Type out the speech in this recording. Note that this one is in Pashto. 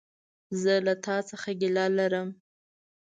زه له تا څخه ګيله لرم!